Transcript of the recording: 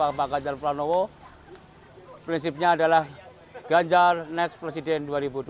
terhadap pak ganjar pranowo prinsipnya adalah ganjar next presiden dua ribu dua puluh empat